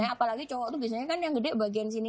apalagi cowo itu biasanya kan yang gede bagian sini